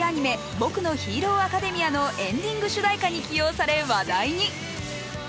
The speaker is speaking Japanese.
「僕のヒーローアカデミア」のエンディング主題歌に起用され話題に。